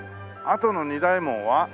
あとの二大門は？